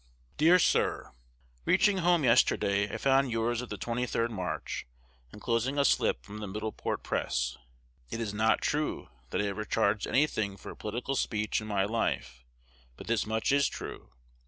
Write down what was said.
Dear Sir, Reaching home yesterday, I found yours of the 23d March, enclosing a slip from "The Middleport Press." It is not true that I ever charged any thing for a political speech in my life; but this much is true.